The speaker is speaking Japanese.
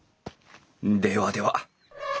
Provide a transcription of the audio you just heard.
ではでは。